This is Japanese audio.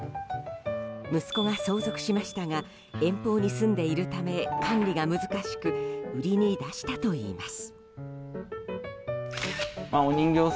息子が相続しましたが遠方に住んでいるため管理が難しく売りに出したといいます。